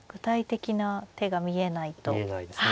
見えないですね。